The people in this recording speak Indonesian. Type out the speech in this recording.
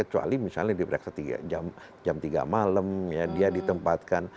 jadi misalnya dia diperiksa jam tiga malam dia ditempatkan